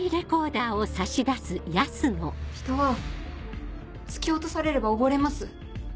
人は突き落とされれば溺れます。